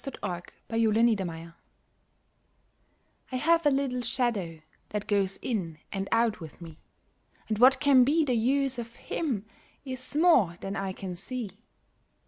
[Pg 20] MY SHADOW I have a little shadow that goes in and out with me, And what can be the use of him is more than I can see.